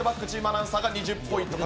ＴＥＡＭアナウンサーが２０ポイント。